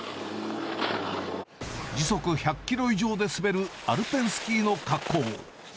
時速１００キロ以上で滑るアルペンスキーの滑降。